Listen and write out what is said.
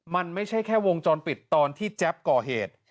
มันไม่ใช่แค่วงจรปิดตอนที่แจ๊บก่อเหตุ